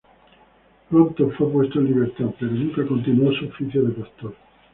Pronto fue puesto en libertad, pero nunca continuó su oficio de pastor.